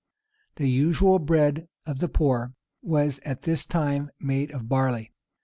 The usual bread of the poor was at this time made of barley.